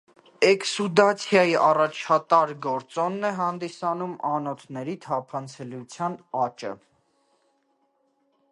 Էքսուդացիայի առաջատար գործոնն է հանդիսանում անոթների թափանցելիության աճը։